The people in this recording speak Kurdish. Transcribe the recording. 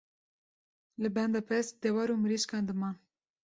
li benda pez, dewar û mirîşkan diman.